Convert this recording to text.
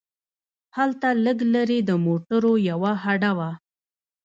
هلته لږ لرې د موټرو یوه هډه وه.